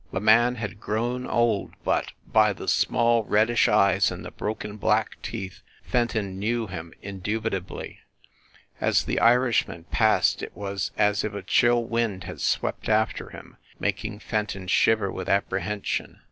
The man had grown old, but, by the small reddish eyes and the broken black teeth, Fen ton knew him indubitably. As the Irishman passed it was as if a chill wind had swept after him, mak ing Fenton shiver with apprehension.